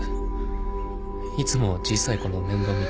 いつも小さい子の面倒見たり。